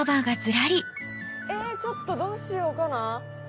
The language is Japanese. ちょっとどうしようかな。